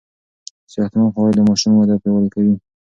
صحتمند خواړه د ماشوم وده پياوړې کوي.